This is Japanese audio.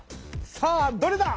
さあどれだ？